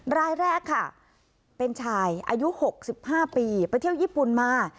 รายแรกค่ะเป็นชายอายุ๖๕ปีไปเที่ยวญี่ปุ่นมา